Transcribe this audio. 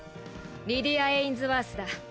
リディア＝エインズワースだ